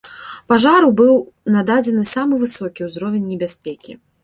Пажару быў нададзены самы высокі ўзровень небяспекі.